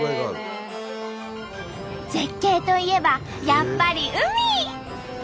絶景といえばやっぱり海！